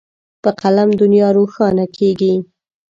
په قلم دنیا روښانه کېږي.